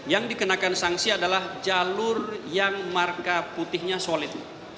yang dikenakan sanksi adalah jalur yang marka putihnya solid